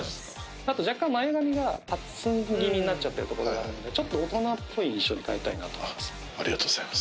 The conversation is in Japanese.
あと若干前髪がパッツン気味になっちゃってる所があるんでちょっと大人っぽい印象に変えたいなとありがとうございます